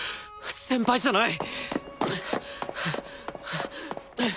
先輩じゃない！